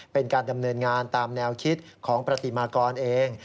เป็นการดำเนินงานตามแนวคิดของประติมากรเอง